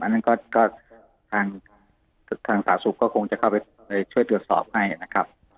นั่นก็ทางสาธารณสุขก็คงจะเข้าไปช่วยตรวจสอบให้นะครับ